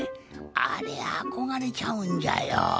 あれあこがれちゃうんじゃよ。